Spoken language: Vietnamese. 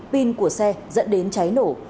pin của xe dẫn đến cháy nổ